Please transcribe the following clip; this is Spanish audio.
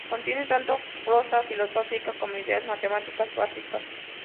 Contiene tanto prosa filosófica como ideas matemáticas básicas.